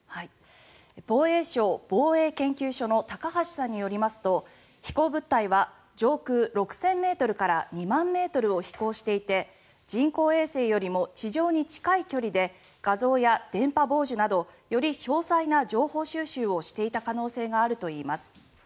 防衛省防衛研究所の高橋さんによりますと飛行物体は上空６０００ｍから２万ｍを飛行していて人工衛星よりも地上に近い距離で画像や電波傍受などより詳細な情報収集をしていた可能性があるといいます。